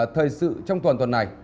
thời sự trong tuần tuần này